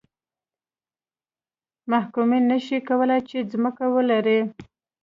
محکومین نه شي کولای چې ځمکه ولري.